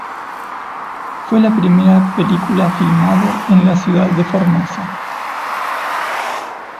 Fue la primera película filmado en la ciudad de Formosa.